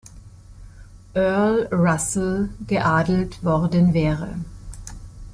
Earl Russell geadelt worden wäre.